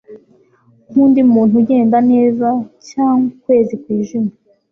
nk'undi muntu ugenda neza, cyangwa ukwezi kwijimye